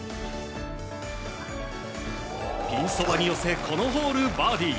ピンそばに寄せこのホール、バーディー。